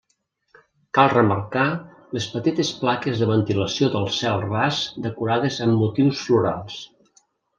Cal remarcar les petites plaques de ventilació del cel ras decorades amb motius florals.